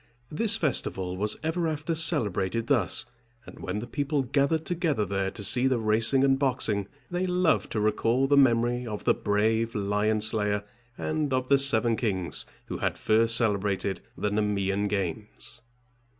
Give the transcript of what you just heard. This festival was ever after celebrated thus; and when the people gathered together there to see the racing and boxing, they loved to recall the memory of the brave lion slayer, and of the seven kings who had first celebrated the Nemean games.